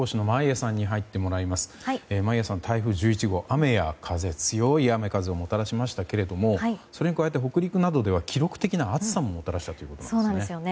眞家さん、台風１１号強い雨や風をもたらしましたがそれに加えて北陸などでは記録的な暑さをもたらしたということですよね。